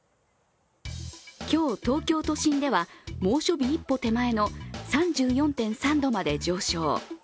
今日、東京都心では猛暑日一歩手前の３４．３度まで上昇。